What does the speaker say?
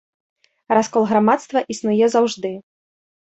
Раскол грамадства існуе заўжды.